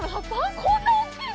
こんな大きいの？